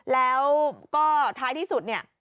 แล้วก็ท้ายที่สุดเนี่ย